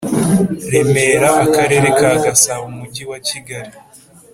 Remera Akarere ka Gasabo Umujyi wa Kigali